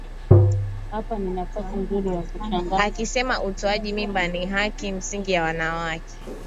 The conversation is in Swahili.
akisema utoaji mimba ni haki msingi ya mwanamke